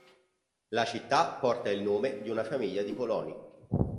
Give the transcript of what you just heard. La città porta il nome di una famiglia di coloni.